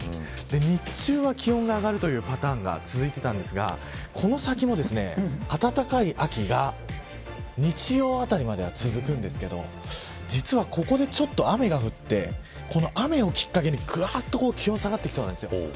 日中は気温が上がるというパターンが続いていましたがこの先も暖かい秋が日曜あたりまでは続くんですけど実は、ここでちょっと雨が降ってこの雨をきっかけにぐわっと気温が下がってきそうなんですよ。